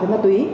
với ma túy